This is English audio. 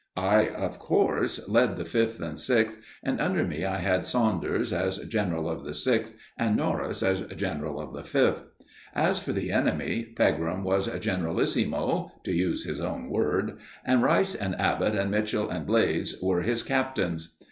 I, of course, led the Fifth and Sixth, and under me I had Saunders, as general of the Sixth, and Norris, as general of the Fifth. As for the enemy, Pegram was generalissimo, to use his own word, and Rice and Abbott and Mitchell and Blades were his captains.